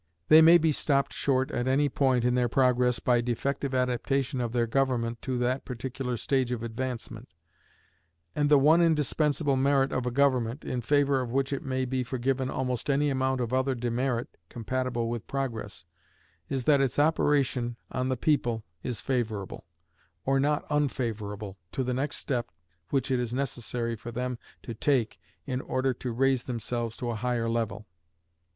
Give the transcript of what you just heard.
They may be stopped short at any point in their progress by defective adaptation of their government to that particular stage of advancement. And the one indispensable merit of a government, in favor of which it may be forgiven almost any amount of other demerit compatible with progress, is that its operation on the people is favorable, or not unfavorable, to the next step which it is necessary for them to take in order to raise themselves to a higher level.